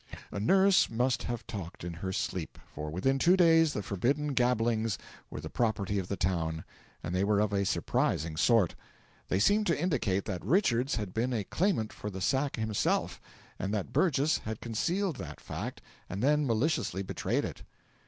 A nurse must have talked in her sleep, for within two days the forbidden gabblings were the property of the town; and they were of a surprising sort. They seemed to indicate that Richards had been a claimant for the sack himself, and that Burgess had concealed that fact and then maliciously betrayed it.